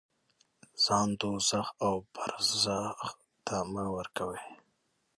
ځان دوزخ او برزخ ته مه ورکوئ.